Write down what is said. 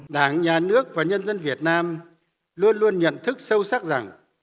đảng nhà nước và nhân dân việt nam luôn luôn nhận thức sâu sắc rằng